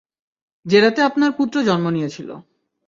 যে রাতে আপনার পুত্র জন্ম নিয়েছিল!